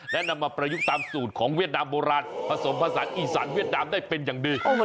และนำมาประยุกต์ตามสูตรของเวียดนามโบราณผสมภาษาอีสานเวียดนามได้เป็นอย่างดี